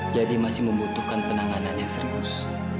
jadi masih membutuhkan penanganan yang serius